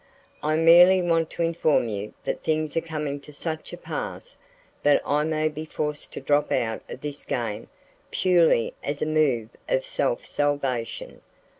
I merely want to inform you that things are coming to such a pass that I may be forced to drop out of this game purely as a move of self salvation.